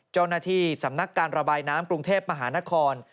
เจ้าหน้าที่สำนักการระบายน้ำกรุงเทพมหานคร